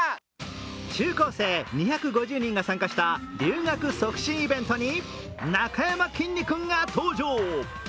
中高生２５０人が参加した留学促進イベントになかやまきんに君が登場。